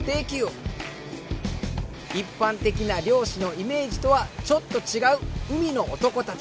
一般的な漁師のイメージとはちょっと違う海の男たち。